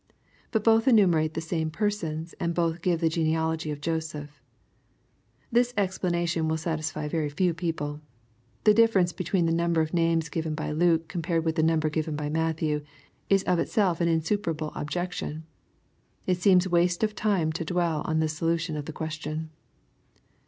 But both enumerate the same persons, and both give the gene alogy of Joseph. This explanation vnJl satisfy very few people. The difference between the number of names given by Luke, compared to the nimiber given by Matthew, is of itself an in superable objection. It seems waste of time to dwell on this solution of the question.